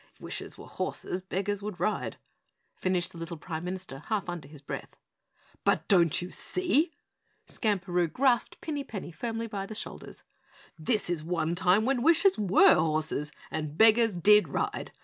'If wishes were horses, beggars would ride!'" finished the little Prime Minister half under his breath. "But don't you see?" Skamperoo grasped Pinny Penny firmly by the shoulders. "This is one time when wishes WERE horses and beggars DID ride.